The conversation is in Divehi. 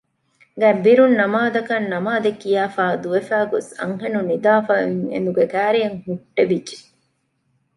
ގަތްބިރުން ނަމާދަކާ ނަމާދެއް ކިޔާފައި ދުވެފައި ގޮސް އަންހެނުން ނިދާފައި އޮތް އެނދު ކައިރިއަށް ހުއްޓެވިއްޖެ